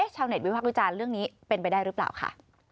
ชาวเน็ตวิพักษ์วิจารณ์เรื่องนี้เป็นไปได้หรือเปล่าค่ะ